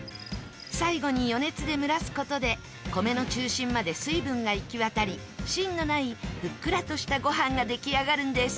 最後に余熱で蒸らす事で米の中心まで水分が行き渡り芯のないふっくらとしたご飯が出来上がるんです。